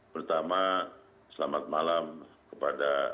pertama selamat malam kepada